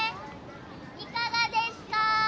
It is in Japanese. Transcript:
いかがですか？